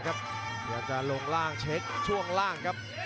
อยากจะลงล่างเช็คช่วงล่าง